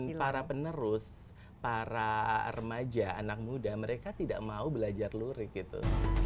dan para penerus para remaja anak muda mereka tidak mau belajar lurik gitu